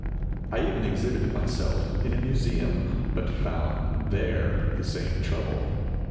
I even exhibited myself in a museum, but found there the same trouble.